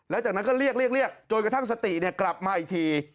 แล้วจากนั้นก็เรียกเรียกจนกระทั่งสติกลับมาอีกที